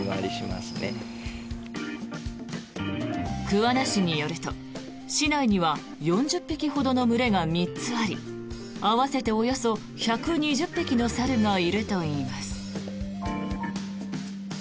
桑名市によると、市内には４０匹ほどの群れが３つあり合わせておよそ１２０匹の猿がいるといいます。